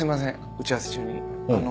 打ち合わせ中に。